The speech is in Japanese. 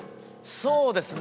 そうですね